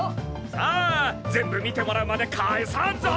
さあ全部見てもらうまで帰さんぞ！